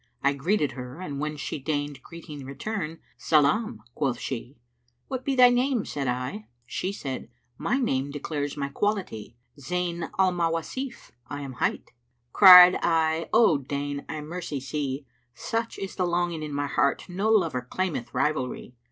I greeted her and when she deigned * Greeting return, 'Salám,' quoth she 'What be thy name?' said I, she said, * 'My name declares my quality![FN#340]' 'Zayn al Mawásif I am hight.' * Cried I, 'Oh deign I mercy see,' 'Such is the longing in my heart * No lover claimeth rivalry!'